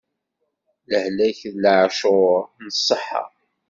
Lehlak d laɛcuṛ n ṣṣeḥḥa.